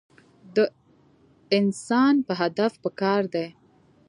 د انسان پۀ هدف پکار دے -